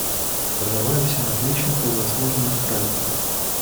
Я желаю всем отличных и заслуженных праздников.